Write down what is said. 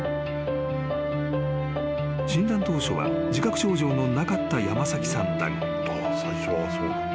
［診断当初は自覚症状のなかった山崎さんだが］